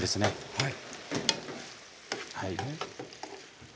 はい。